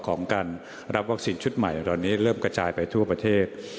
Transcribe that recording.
ของการรับวัคซีนชุดใหม่เหล่านี้เริ่มกระจายไปทั่วประเทศ